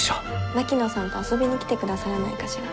槙野さんと遊びに来てくださらないかしら？